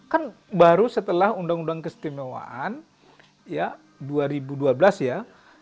kan baru setelah undang undang keistimewaan ya dua ribu dua belas ya